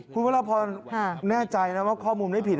คุณพระราพรแน่ใจนะว่าข้อมูลไม่ผิด